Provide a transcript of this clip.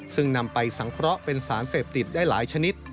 ซึ่งนำไปสังเคราะห์เป็นสารเสพติดได้หลายชนิด